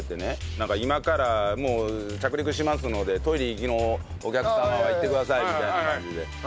なんか今からもう着陸しますのでトイレのお客様は行ってくださいみたいな感じで。